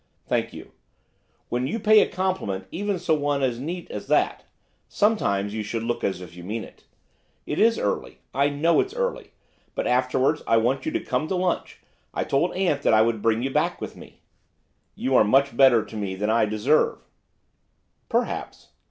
'Thank you. When you pay a compliment, even so neat an one as that, sometimes, you should look as if you meant it. It is early, I know it's early, but afterwards I want you to come to lunch. I told aunt that I would bring you back with me.' 'You are much better to me than I deserve.' 'Perhaps.